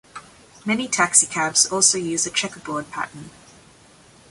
Many taxicabs also use a checkerboard pattern.